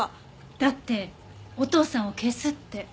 だってお父さんを消すって。